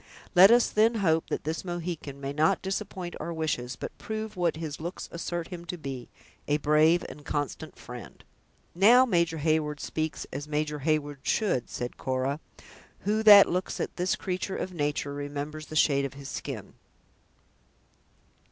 Let us then hope that this Mohican may not disappoint our wishes, but prove what his looks assert him to be, a brave and constant friend." "Now Major Heyward speaks as Major Heyward should," said Cora; "who that looks at this creature of nature, remembers the shade of his skin?"